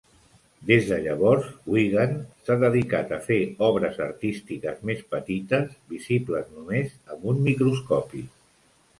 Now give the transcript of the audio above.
Des de llavors, Wigan s"ha dedicat a fer obres artístiques més petites, visibles només amb un microscopi.